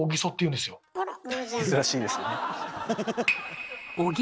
珍しいですよね。